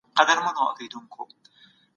د چرګانو غوښه ښه ده.